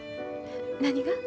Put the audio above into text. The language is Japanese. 何が？